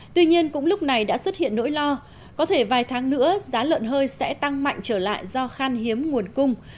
tuy nhiên cũng lúc này đã xuất hiện nỗi lo có thể vài tháng nữa giá lợn hơi sẽ tăng mạnh trở lại do khan hiếm nguồn cung